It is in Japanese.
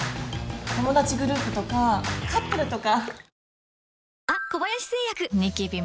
友達グループとかカップルとか。